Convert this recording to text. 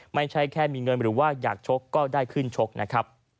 ไม่ใช่แค่มีเงินหรือว่าอยากชกก็ได้ขึ้นชกนะครับ